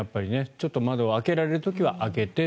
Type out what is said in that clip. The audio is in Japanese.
ちょっと窓を開けられる時は開けて。